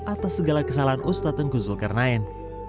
atas segala kesalahan ustadz tengku zulkarnain